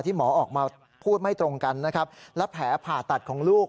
หมอออกมาพูดไม่ตรงกันนะครับและแผลผ่าตัดของลูก